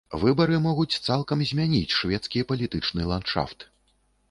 Выбары могуць цалкам змяніць шведскі палітычны ландшафт.